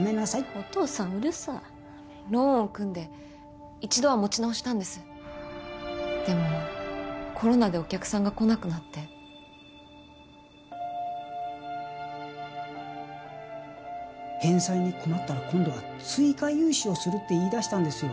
お父さんうるさいローンを組んで一度は持ち直したんですでもコロナでお客さんが来なくなって返済に困ったら今度は追加融資をするって言いだしたんですよ